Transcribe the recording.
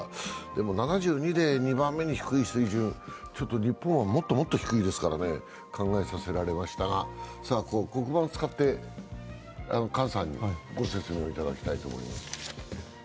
でも、７２で２番目に低い水準、ちょっと日本はもっともっと低いですから、考えさせられましたが、黒板を使って、姜さんにご説明いただきたいと思います。